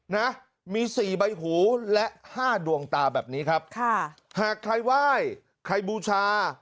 นะมีสี่ใบหูและห้าดวงตาแบบนี้ครับค่ะหากใครไหว้ใครบูชา